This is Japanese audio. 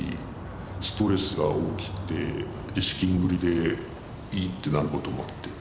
ストレスが大きくて資金繰りでイーッてなることもあって。